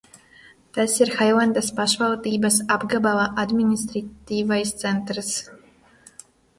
Tas ir Hailendas pašvaldības apgabala administratīvais centrs.